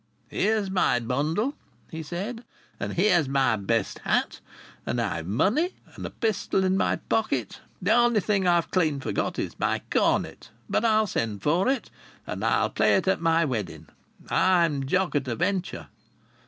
"Here's my bundle," he said, "and here's my best hat. And I've money and a pistol in my pocket. The only thing I've clean forgot is my cornet; but I'll send for it and I'll play it at my wedding. I'm Jock at a Venture."